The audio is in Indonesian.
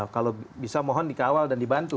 kalau bisa mohon dikawal dan dibantu